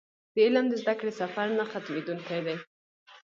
د علم د زده کړې سفر نه ختمېدونکی دی.